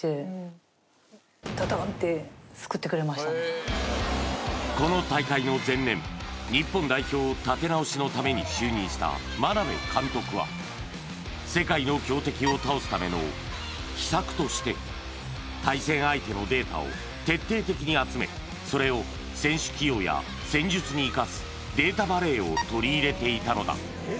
はいこの大会の前年日本代表立て直しのために就任した眞鍋監督は世界の強敵を倒すための秘策として対戦相手のデータを徹底的に集めそれを選手起用や戦術に生かすデータバレーを取り入れていたのだ